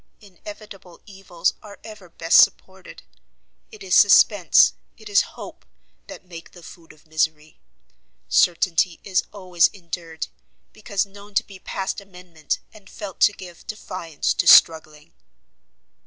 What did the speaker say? Inevitable evils are ever best supported. It is suspence, it is hope that make the food of misery; certainty is always endured, because known to be past amendment, and felt to give defiance to struggling."